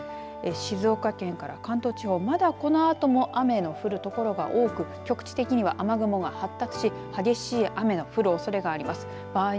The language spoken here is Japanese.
静岡県から関東地方まだこのあとも雨の降る所が多く局地的には雨雲が発達し激しい雨の降るおそれがあります。